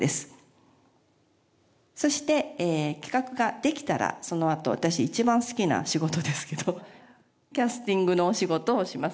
そして企画ができたらそのあと私一番好きな仕事ですけどキャスティングのお仕事をします。